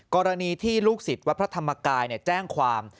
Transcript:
กรณีที่ลูกศิษย์วัดพระธรรมกายแจ้งความ